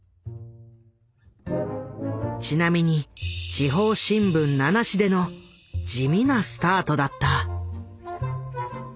ちなみに地方新聞７紙での地味なスタートだった。